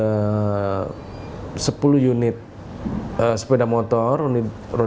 coffin beli dari daging yg sama dengan maksimal ruang practice trans contrari